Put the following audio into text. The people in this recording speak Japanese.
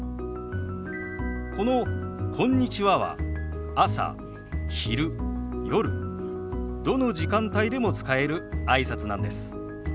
この「こんにちは」は朝昼夜どの時間帯でも使えるあいさつなんです。